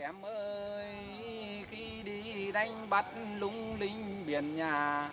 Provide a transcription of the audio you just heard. em khi đi đánh bắt lung linh biển nhà